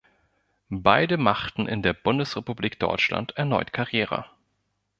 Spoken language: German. Beide machten in der Bundesrepublik Deutschland erneut Karriere.